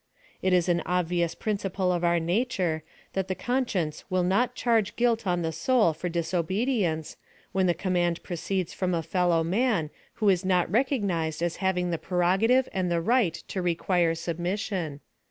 It is an obvious principle of our nature, that the conscience will not charge guilt on the soul for disobedience, when the command proceeds from a fellow man, wlio is not recognised as having the prerogative and the right to require submission.